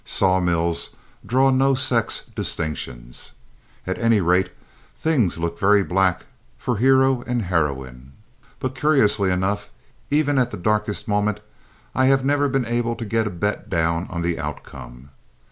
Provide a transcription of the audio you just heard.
Sawmills draw no sex distinctions. At any rate, things look very black for hero and heroine, but curiously enough, even at the darkest moment, I have never been able to get a bet down on the outcome.